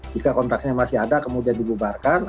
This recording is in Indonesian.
jika kontraknya masih ada kemudian dibubarkan